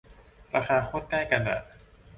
ราคาโคตรใกล้กันอ่ะ